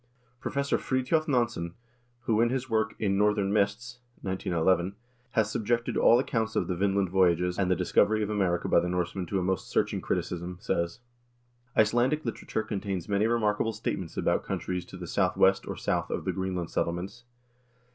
Professor Fridtjof Nansen, who in his work "In Northern Mists" (1911) has subjected all accounts of the Vinland voyages and the discovery of America by the Norsemen to a most searching criticism, says: "Icelandic literature contains many remarkable statements about countries to the southwest or south of the Greenland settle ments.